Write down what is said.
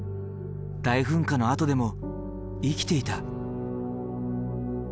大噴火のあとでも生きていた。